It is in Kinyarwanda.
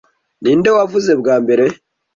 Ninde wavuze bwa mbere